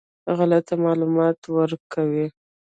غلط معلومات ورکوي.